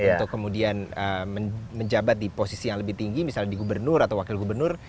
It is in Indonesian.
untuk kemudian menjabat di posisi yang lebih tinggi misalnya di gubernur atau wakil gubernur